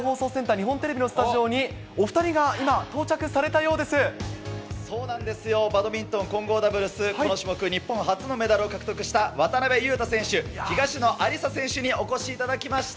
日本テレビのスタジオに、お２人が今、そうなんですよ、バドミントン混合ダブルス、この種目、日本初のメダルを獲得した渡辺勇大選手、東野有紗選手にお越しいただきました。